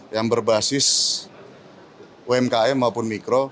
yang berbasis umkm maupun mikro